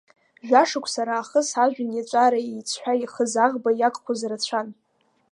Жәа-шықәса раахыс ажәҩан иаҵәара еиҵҳәа ихыз аӷба иагхоз рацәан.